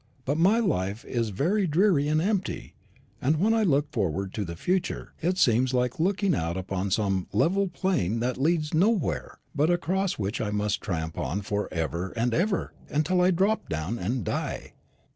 But my life is very dreary and empty; and when I look forward to the future, it seems like looking out upon some level plain that leads nowhere, but across which I must tramp on for ever and ever, until I drop down and die."